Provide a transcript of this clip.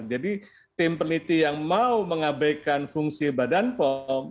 jadi tim peneliti yang mau mengabaikan fungsi badan pom